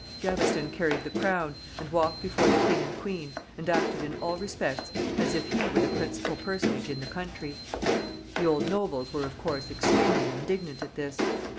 Gaveston carried the crown, and walked before the king and queen, and acted in all respects as if he were the principal personage in the country. The old nobles were, of course, extremely indignant at this.